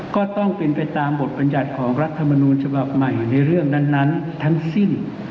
ก็ต้องเป็นไปตามบทบรรยัติของรัฐมนูลฉบับใหม่ในเรื่องนั้นทั้งสิ้น